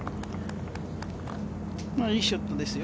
いいショットですよ。